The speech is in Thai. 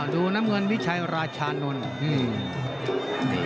ดูน้ำเงินวิชัยราชานนท์